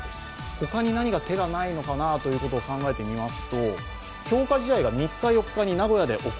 他に何か手がないのかなということを考えてみます。